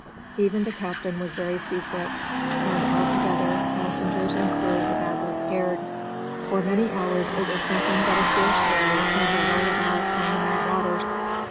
Even the captain was very seasick, and, altogether, passengers and crew were badly scared. For many hours it was nothing but a fierce blow and a roll about on the mad waters.